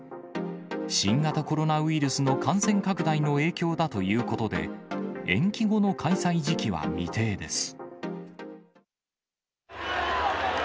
新型コロナウイルスの感染拡大の影響だということで、延期後の開催時期は未定です。